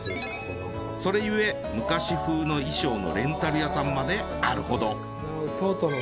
それゆえ昔風の衣装のレンタル屋さんまであるほど。